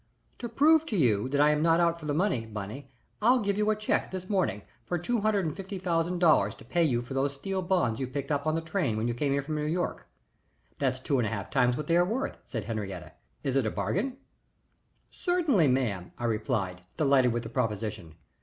"To prove to you that I am not out for the money, Bunny, I'll give you a check this morning for two hundred and fifty thousand dollars to pay you for those steel bonds you picked up on the train when you came up here from New York. That's two and a half times what they are worth," said Henriette. "Is it a bargain?" "Certainly, ma'am," I replied, delighted with the proposition.